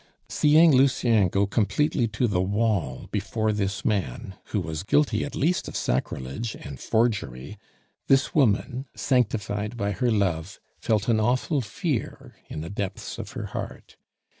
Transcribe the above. Seeing Lucien go completely to the wall before this man, who was guilty at least of sacrilege and forgery, this woman, sanctified by her love, felt an awful fear in the depths of her heart.